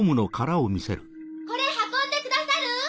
これ運んでくださる？